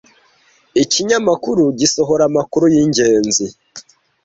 Ikinyamakuru gisohora amakuru yingenzi.